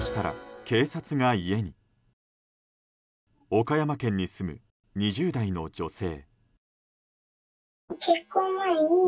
岡山県に住む２０代の女性。